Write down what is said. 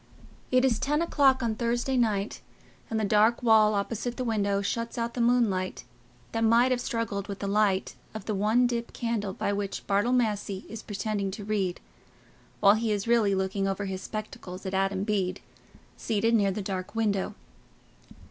It is ten o'clock on Thursday night, and the dark wall opposite the window shuts out the moonlight that might have struggled with the light of the one dip candle by which Bartle Massey is pretending to read, while he is really looking over his spectacles at Adam Bede, seated near the dark window.